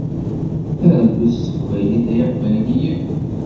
Argut s teqbaylit ay iqbayliyen!